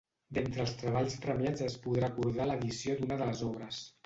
D'entre els treballs premiats es podrà acordar l'edició d'una de les obres.